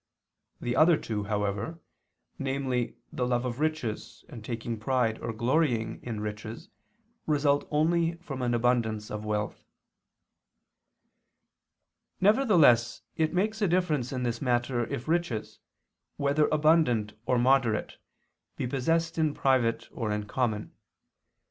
The other two, however, namely the love of riches and taking pride or glorying in riches, result only from an abundance of wealth. Nevertheless it makes a difference in this matter if riches, whether abundant or moderate, be possessed in private or in common.